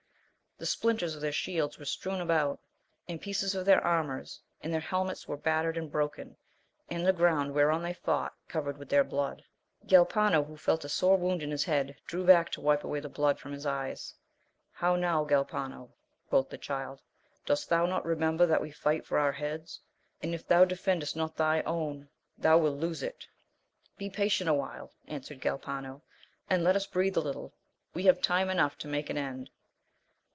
The splinters of their shields were strewn about, and pieces of their armours, and their helmets were battered and broken, and the ground whereon they fought covered with their blood. Galpano who felt a sore wound in his head drew back to wipe away the blood from his eyes. How now Galpano ? quoth the Child, dost thou not remember that we fight for our heads, and if thou defendest not thy own thou wilt lose it ! Be patient awhile, answered Galpano, and let us breathe a little, we have time enough to make an, end.